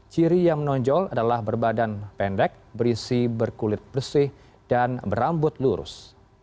ciri yang menonjol adalah berbadan pendek berisi berkulit bersih dan berambut lurus